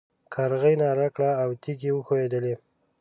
کارغې ناره کړه او تيږې وښوېدلې.